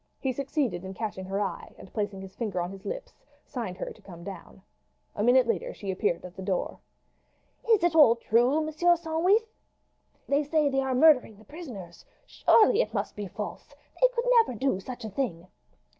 He succeeded in catching her eye, and placing his finger on his lips signed to her to come down. A minute later she appeared at the door. "Is it all true, Monsieur Sandwith? They say they are murdering the prisoners. Surely it must be false! They could never do such a thing!"